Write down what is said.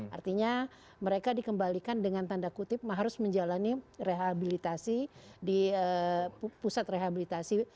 artinya mereka dikembalikan dengan tanda kutip harus menjalani rehabilitasi di pusat rehabilitasi